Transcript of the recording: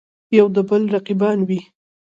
یودبل رقیبان وي.